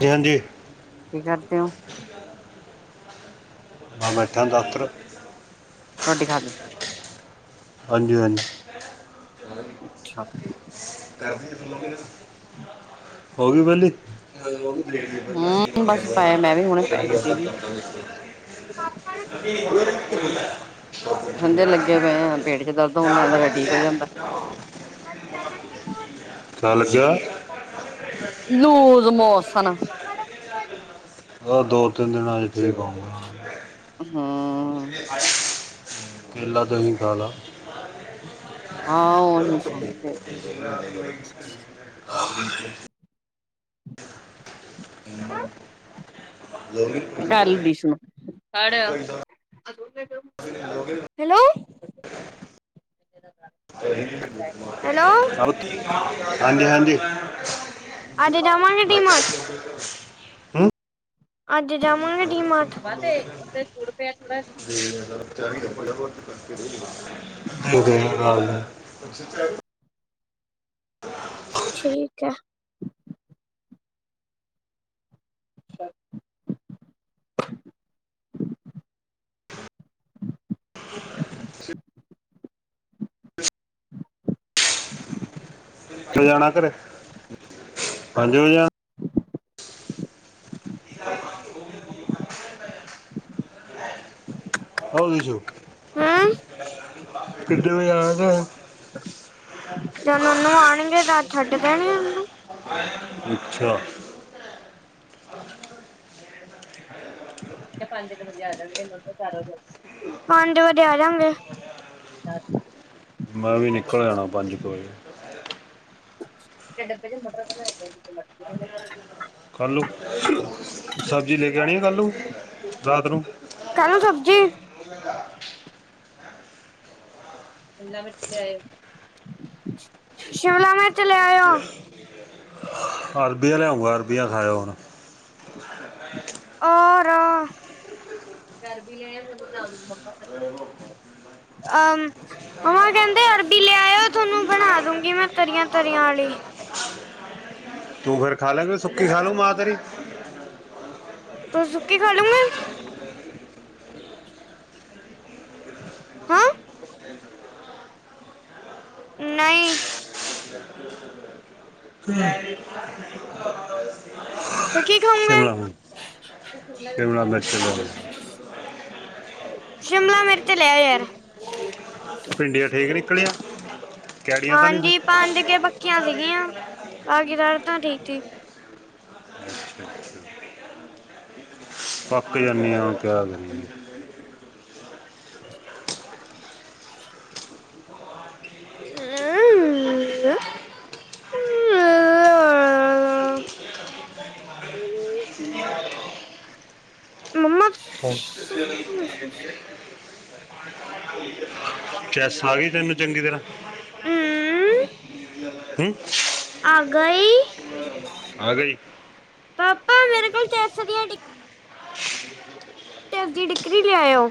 ਜੀ ਹਾਂਜੀ। ਕੀ ਕਰਦੇ ਓਂ? ਮੈਂ ਬੈਠਾਂ ਦਫ਼ਤਰ ਰੋਟੀ ਖਾ ਲੀ। ਹਾਂਜੀ-ਹਾਂਜੀ। ਅੱਛਾ। ਕਰਦੀ ਏ ਥੱਲੋ ਵੀ ਨਾ [inaudible] ਹੋਗੀ ਵੇਲੀ। [inaudible] ਹੂੰ ਬਸ ਪਏ ਮੈਂ ਵੀ ਹੁਣੇ ਪੈ ਗਈ ਸੀਗੀ [inaudible] ਧੰਦੇ ਲੱਗੇ ਪਏ ਆਂ ਪੇਟ ਚ ਦਰਦ ਹੋਨ ਲੱਗ ਜਾਂਦਾ ਫੇਰ ਠੀਕ ਹੋ ਜਾਂਦਾ। ਚੱਲਜਾ। ਲੂਜ਼ ਮੋਸਨ ਓ ਦੋ ਤਿੰਨ ਦਿਨਾਂ ਦੇ ਕੇਲੇ ਖਾਊਗਾ। ਹੂੰ। ਕੇਲਾ ਦਹੀਂ ਖਾਲਾ। ਹਾਂ ਉਹੀ ਖਾਂਦੇ [inaudible] ਲੋਗੇ ਘੱਲ ਦੀ ਇਸਨੂੰ, ਪੜ ਕੋਈ ਤਾਂ ਲੋਗੇ ਹੈਲੋ, ਹੈਲੋ ਹਾਂਜੀ-ਹਾਂਜੀ। ਅੱਜ ਜਾਵਾਂਗੇ ਡੀ ਮਾਰਟ [inaudible] ਅੱਜ ਜਾਵਾਂਗੇ ਡੀਮਾਠ, ਕਾਤੇ ਔਥੇ ਗੁੜ ਪਿਐ ਥੋੜਾ ਜਾ [inaudible] ਕੁੜੀਆਂ ਕਾਲੀਆਂ, ਅੱਛਾ-ਅੱਛਾ। ਠੀਕ ਐ। [inaudible] ਕੈ ਵਜੇ ਆਣਾ ਘਰੇ ਪੰਜ ਵਜੇ ਆਣ ਹੋ ਵਿਛੂ ਹੂੰ ਕਿਨੇ ਬਜੇ ਆਣਾ ਘਰੇ। ਜ ਨਾਨੂੰ ਆਣਗੇ ਤਾਂ ਛੱਡ ਦੇਣ ਔਹ ਨੂੰ। ਅੱਛਾ। ਕੈ ਪੰਜ ਕੁ ਵੱਜੇ ਆ ਜਾਂਗੇ ਪੰਜ ਵੱਜੇ ਆ ਜਾਂਗੇ ਮੈਂ ਵੀ ਨਿਕਲ ਆਣਾ ਪੰਜ ਕੁ ਵਜੇ ਇੱਕ ਡੱਬੇ ਦੇ ਮਟਰ ਥੋੜੀ ਨ ਹੈਗੇ ਕੱਲ ਨੂੰ ਸਬਜ਼ੀ ਲੈ ਕੇ ਆਣੀ ਆ ਕੱਲ ਨੂੰ ਰਾਤ ਨੂੰ। ਕਲ ਸਬਜ਼ੀ ਚੰਗਾ। ਸੀ਼ਮਲਾ ਮਿਰਚ ਲਿਆਏ ਔ। ਅਰਬੀਆਂ ਲਿਆਉਂਗਾ ਅਰਬੀਆਂ ਖਾਇਓ। ਹੁਣ ਅ ਰ ਅਰਬੀ ਲਿਆਉ ਫੇਰ ਬਨਾਉਂਗੀ ਪਾਪਾ ਵਾਸਤੇ। ਆਮ। ਮੰਮਾਂ ਕਹਿੰਦੇ ਅਰਬੀ ਲਿਆਇਓ ਥੋਨੂੰ ਬਣਾ ਦੂੰਗੀ ਮੈਂ ਤਰੀਆਂ ਤਰੀਆਂ ਆਲੀ। ਤੂੰ ਫੇਰ ਖਾ ਲੇਂਂਗਾ ਸੁੱਕੀ ਖਾ ਲਉ ਮਾਂ ਤੇਰੀ। ਤੁਸੀ ਸੁੱਕੀ ਖਾਲੋਗੇ। ਹੈਂ। ਨਈਂ। ਫੇ ਕੀ ਖਾਊਗੇ। ਸ਼ਿਮਲਾ ਹੁਣ ਸ਼ਿਮਲਾ ਮਿਰਚ ਲੈ ਲਓ। ਸ਼ਿਮਲਾ ਮਿਰਚ ਲੈ ਆਉ ਯਾਰ। ਭਿੰਡੀਆਂ ਠੀਕ ਨਿਕਲੀਆਂ ਕੈੜੀਆਂ ਤਾਂ ਨਹੀਂ ਸੀ। ਸੁਕੀਆਂ ਸੀਗੀਆ ਆ ਕੇ ਦਾਲ ਧਰੀ ਸੀ ਬ। ਸੀ ਥੱਕ ਜਾਨੇ ਆਂ ਕਿਆ ਕਰੀੇਏ। ਮੰਮਾ। ਹੁਣ ਚੈਸ ਆ ਗਈ ਤੈਨੂੰ ਚੰਗੀ ਤਰ੍ਹਾਂ। ਹੂੰਊਂ ਹਿੰਚ ਆ ਗਈ ਆ ਗਈ। ਪਾਪਾ ਮੇਰੇ ਕੋਲ ਚੈਸ ਦੀ ਟਿੱਕੀ। ਤੇ ਜਿੜੀਕੜੀ ਲਿਆਇਓ।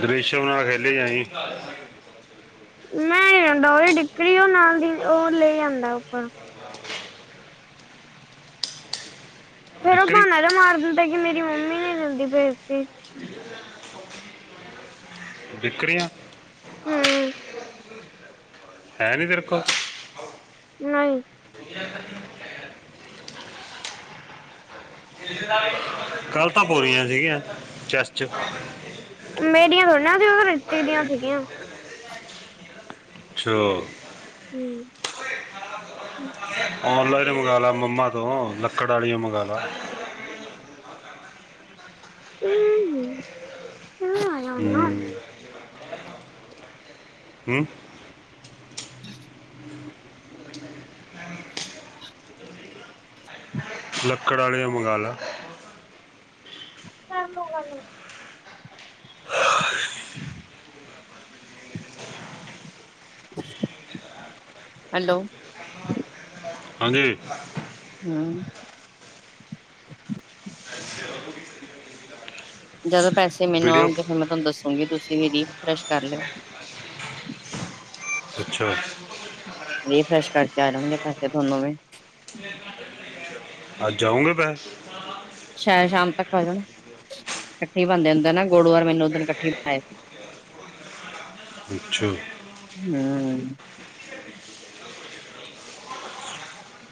ਗਿਰਿਸ਼ ਨਾਲ ਖੇਲੀ ਹੀ ਜਾਂਈ। ਮੈਂ ਨੀ ਰਹਿੰਦਾ ਉਹਦੀ ਡਿੱਕਰੀ ਔਹ ਨਾਲ ਦੀ ਔਹ ਲੇ ਆਂਦਾ ਉਪਰ। ਫੇਰ ਉਹ ਡਿਕਰੀ ਬਾਨਾ ਜਿਹਾ ਮਾਰ ਦਿੰਦਾ ਕਿ ਮੇਰੀ ਮੰਮੀ ਨੀ ਦਿੰਦੀ ਪਈ ਡਿਕਰੀ। ਡਿਕਰੀਆਂ। ਹੂੰ ਹੈ ਨੀ ਤੇਰੇ ਕੋਲ। ਨ‌ਈ। [inaudible] ਕੱਲ ਤਾਂ ਪੂਰੀਆ ਸੀਗੀਆਂ, ਚੈਸ ਚ। ਮੇਰੀਆਂ ਥੋੜੀਆਂ ਨਾ ਸੀ ਓ ਤਾਂ ਰੀਤੀ ਦੀਆਂ ਸੀਗੀਆਂ। ਅੱਛਾ। ਹੂੰ। ਔਨਲਾਈਨ ਮੰਗਾ ਲਾ ਮੰਮਾ ਤੋਂ, ਲੱਕੜ ਆਲੀਆਂ ਮੰਗਾ ਲਾ। [inaudible] ਹੂੰ ਹੂੰ [unintelligible] ਲੱਕੜ ਆਲੀਆ ਮੰਗਾ ਲਾ। ਕਰ ਲਓ ਗੱਲ। ਹ [unintelligible] ਹੈਲੋ। ਹਾਂਜੀ। ਹੂੰ। [inaudible] ਜਦੋਂ ਪੈਸੇ ਮੈਨੂੰ ਵੀਡੀਓ ਆਉਗੇ ਫੇਰ ਮੈਂ ਤੁਹਾਨੂੰ ਦੱਸੂਗੀ ਤੁਸੀਂ ਵੀ ਰਿਫਰੈਸ਼ ਕਰ ਲਿਓ। ਅੱਛਾ। ਰੀਫਰੈਸ਼ ਕਰਕੇ ਆ ਜਾਣਗੇ ਪੈਸੇ ਥੋਨੂੰ ਵੀ। [inaudible] ਅੱਜ ਆਓਗੇ ਪੈ ਸ਼ਾਇਦ ਸ਼ਾਮ ਤੱਕ ਆ ਜਾਣ, ਕੱਠੇ ਈ ਬਣ ਜਾਂਦਾ ਨਾ ਗੁੜ ਔਰ [unintelligible] ਮੈ ਓਦਨ ਕੱਠੇ ਈ ਬਣਾਏ ਸੀ। [unintelligible] ਅੱਛਾ। ਹੂੰ।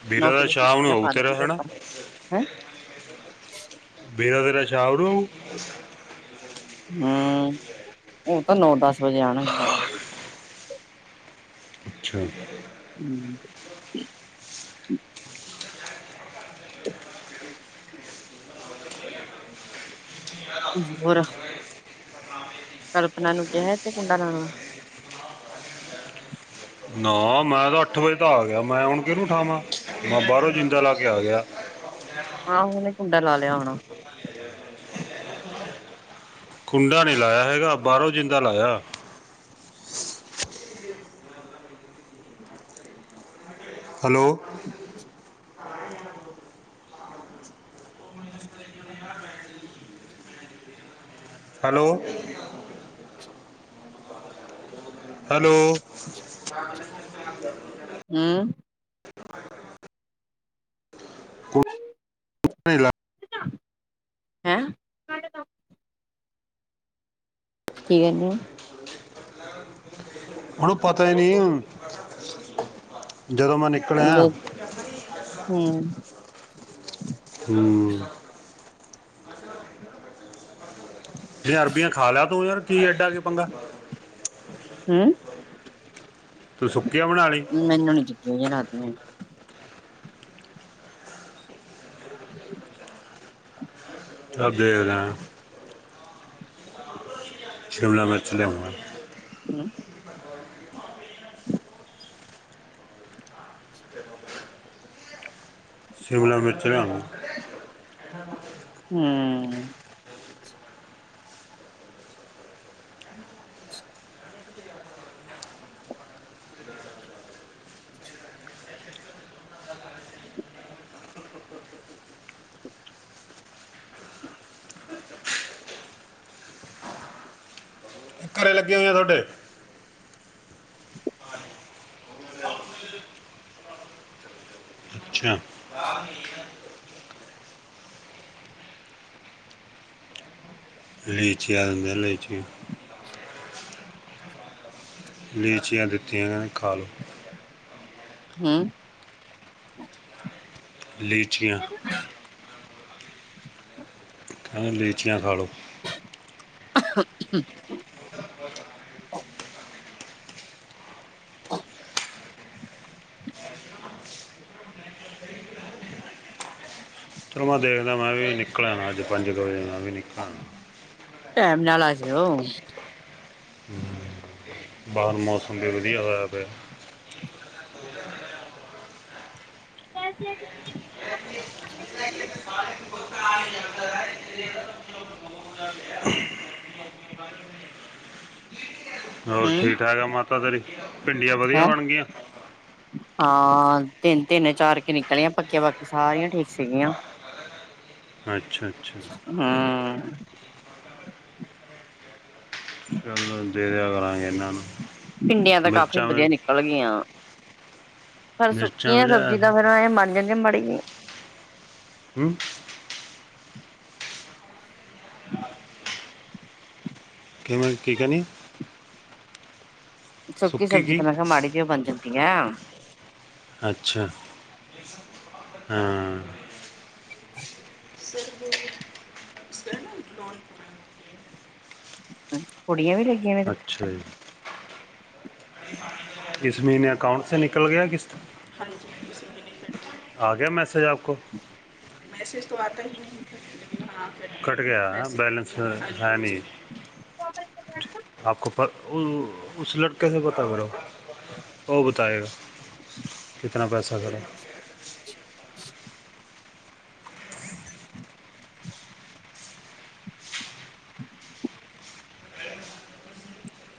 ਵੀਰਾ ਦਾ ਸ਼ਾਮ ਨੋਟੀਫਿਕੇਸ਼ਨ ਨੂੰ ਜਾ ਆਉ ਪਾ ਤੇਰਾ ਦੇਣਗੇ ਹੈਨਾ ਆਪਾਂ ਨੂੰ, ਹੈਂਅ? [unintelligible] ਵਗੈਰਾ ਸ਼ਾਮ ਨੂੰ। ਹੂੰ, ਓ ਤਾਂ ਨੌ-ਦਸ ਵਜੇ ਆਣ ਗੇ। ਅੱਛਾ। ਹੂੰ। ਹੋਰ? ਕਲਪਨਾ ਨੂੰ ਕਿਹਾ ਏ ਕਿ ਕੁੰਡਾ ਲਾਣਾ। ਹਾਂ ਮੈਂ ਤਾਂ ਅੱਠ ਵਜੇ ਤਾਂ ਆ ਗਿਆ, ਮੈਂ ਹੁਣ ਕਿਨੂੰ ਠਾਵਾਂ ਮੈਂ ਬਾਹਰੋਂ ਜਿੰਦਾ ਲਾ ਕੇ ਆ ਗਿਆ। ਆਹੋ ਓਨੇ ਕੁੰਡਾ ਲਾ ਲਿਆ ਹੋਣਾ। ਕੁੰਡਾ ਨੀ ਲਾਇਆ ਹੈਗਾ, ਬਾਹਰੋਂ ਜਿੰਦਾ ਲਾਇਆ। ਹੈਲੋ। [unintelligible] ਹੈਲੋ। ਹੈਲੋ? [inaudible] ਹੂੰ। ਕੁੰਡਾ ਨੇ ਲਾਇਆ ਹੈਂਅ? ਕੀ ਕਹਿੰਨੇ ਓ? ਓਨੂੰ ਪਤਾ ਈ ਨੀ, ਜਦੋਂ ਮੈਂ ਨਿਕਲਿਆ। ਹਂ। ਹਂ। ਜੇ ਅਰਬੀਆਂ ਖਾ ਲਿਆ, ਤੂੰ ਯਾਰ ਕੀ ਐਡਾ ਕੀ ਪੰਗਾ। ਹਂ? ਤੂੰ ਸੁੱਕੀਆਂ ਬਣਾ ਲੀ ਮੈਨੂੰ ਨੀ ਚੱਕ ਰਾਤ ਮੇਂ [inaudible] ਚਲ ਦੇਖ ਲੈ ਸ਼ਿਮਲਾ ਮਿਰਚ ਲਿਆਵਾਂ ਹਂ ਸ਼ਿਮਲਾ ਮਿਰਚ ਲਿਆਵਾਂ। ਹਂ ਘਰੇ ਲੱਗੀਆਂ ਹੋਇਆਂ ਤੁਹਡੇ ਅੱਛਾ ਲੀਚੀ ਆਲਦੇ ਨੀਚੋ [inaudible] ਲੀਚੀਆਂ ਦਿੱਤੀਆਂ ਨੇਂ ਖਾ ਲੋ। ਹਂ ਲੀਚੀਆਂ [inaudible] ਮੈਂ ਕਿਆ ਲੀਚੀਆਂ ਖਾ ਲੋ। [inaudible] ਚਲੋ ਮੈਂ ਦੇਖਦਾ, ਮੈਂ ਵੀ ਨਿਕਲ ਆ ਨਾਂ, ਅੱਜ ਪੰਜ ਕੁ ਵਜੇ ਮੈਂ ਵੀ ਨਿਕਲ ਆ ਨਾ ਟੈਮ ਨਾਲ ਆਜੇਓ। ਹਂ, ਬਾਰ ਮੌਸਮ ਵੀ ਵਧੀਆ ਹੋਆ ਪਿਆ। ਕੈਸੇ [inaudible] [inaudible] [inaudible] ਹੋਰ ਠੀਕ-ਠਾਕ ਆ ਮਾਤਾ ਤੇਰੀ, ਭਿੰਡੀਆਂ ਵਧੀਆ ਹੈਂ ਬਣ ਗਈਆਂ। ਹਾਂ, ਤਿੰਨ-ਤਿੰਨ, ਚਾਰ ਕੇ ਨਿਕਲੀਆਂ ਪੱਕੀਆਂ, ਬਾਕੀ ਸਾਰੀਆਂ ਠੀਕ ਸੀਗੀਆਂ। ਅੱਛਾ, ਅੱਛਾ। ਹਂ ਨੂੰ ਦੇ ਦਿਆ ਕਰਾਂਗੇ ਏਨਾਂ ਨੂੰ ਪਿੰਡੀਆਂ ਤੇ ਕਾਫੀ ਮਿਰਚਾਂ ਵੀ ਵਧੀਆ ਨਿਕਲ ਗਈਆਂ। ਫਿਰ ਮਿਰਚਾਂ ਸੁੱਕੀ ਵੀ ਆਂ ਲਿਆ ਸਬਜ਼ੀ ਤਾਂ, ਫੇਰਂ ਏਂ ਮੰਨ ਜਾਂਦੀ ਆ ਮਾੜੀ ਜੀ ਹਂ? ਕਿਵੇਂ, ਕੀ ਕੈਣੀ ਏਂ? ਸੁੱਕੀ ਸਬਜ਼ੀ ਤੇ ਮੈਂ ਕਿਆ, ਮਾੜੀ ਜੇਓ ਬਣ ਜਾਂਦੀ ਐ। ਅੱਛਾ, ਹਾਂ ਸਰ ਸਰ ਲੋਨ ਕੁੜੀਆਂ ਵੀ ਲੱਗੀਆਂ ਨੇ ਅੱਛਾ ਜੀ ਇਸ ਮਹੀਨੇ ਅਕਾਊਂਂਟ ਸੇ ਨਿਕਲ ਗਿਆ, ਕਿਸ, ਹਾਂਜੀ। ਆ ਗਿਆ ਮੈਸੇਜ ਆਪ ਕੋ ਮੈਸੇਜ ਤੋ ਆਤਾ ਨੀਂ। ਕੱਟ ਗਿਆ ਬੈਲੈਂਸ ਹੈ ਨੀਂ ਸੋਫੇ ਤੇ ਬੈਠ ਜਾ ਆਪ ਕੋ ਉਸ ਲੜਕੇ ਸੇ ਪਤਾ ਕਰੋ, ਔ ਬਤਾਏਗਾ। ਕਿਤਨਾ ਪੈਸਾ ਖੜਾ [inaudible]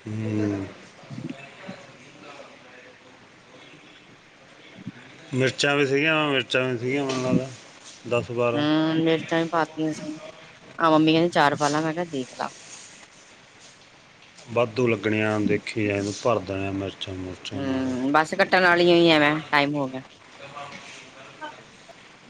ਹੂੰ। ਮਿਰਚਾਂ ਵੀ ਸੀਗੀਆਂ ਵ ਮਿਰਚਾਂ ਵੀ ਸੀਗੀਆਂ ਮੈਨੂੰ ਲਗਦਾ। ਅਹ ਮਿਰਚਾਂ ਵੀ ਪਾਤੀਆਂ ਸੀ, ਆਹੋ ਮੰਮੀ ਕੈਦੀ ਚਾਰ ਪਾਲਾ ਮੈਂ ਕੈਆ ਦੇਖ ਲਾ ਵਾਧੂ ਲੱਗਣੇ ਆ, ਦੇਖੀ ਜਾਈ ਤੂੰ ਪਰਦਾ ਯਾਂ ਮਿਰਚਾਂ ਮੁਰਚਾਂ ਨਾਲ ਹਮ ਬਸ ਕੱਟਣ ਆਲੀਆਂ ਈ ਏ ਮੈਂ, ਟਾਈਮ ਹੋ ਗਿਆ